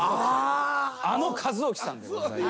あの和興さんでございます。